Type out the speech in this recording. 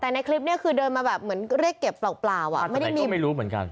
แต่ในคลิปนี้คือเดินมาแบบเหมือนเรียกเก็บเปล่าอ่ะไม่ได้มีไม่รู้เหมือนกัน